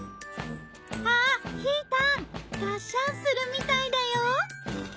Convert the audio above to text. あっひーたん！がっしゃんするみたいだよ。